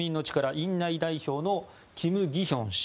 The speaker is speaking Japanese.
院内代表のキム・ギヒョン氏。